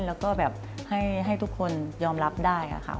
แล้วก็แบบให้ทุกคนยอมรับได้ค่ะ